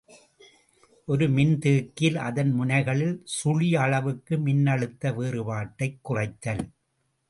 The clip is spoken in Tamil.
ஒரு மின்தேக்கியில் அதன் முனைகளில் சுழிஅளவுக்கு மின்னழுத்த வேறுபாட்டைக் குறைத்தல்.